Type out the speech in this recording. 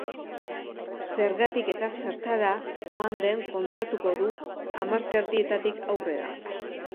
Zergatik eta zertara joan den kontatuko du hamar terdietatik aurrera.